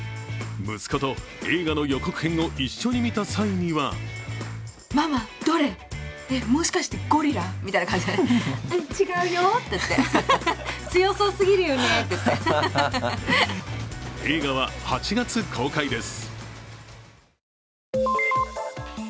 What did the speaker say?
息子と映画の予告編を一緒に見た際には映画は８月公開です。